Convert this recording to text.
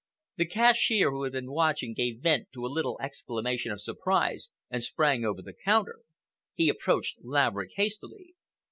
The cashier, who had been watching, gave vent to a little exclamation of surprise and sprang over the counter. He approached Laverick hastily.